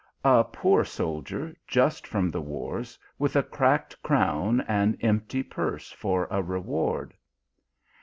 " A poor soldier, just from the wars, with a cracked crown and empty purse for a reward."